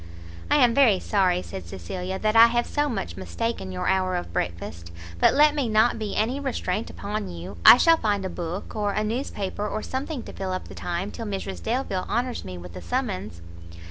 "I am very sorry," said Cecilia, "that I have so much mistaken your hour of breakfast; but let me not be any restraint upon you, I shall find a book, or a newspaper, or something to fill up the time till Mrs Delvile honours me with a summons."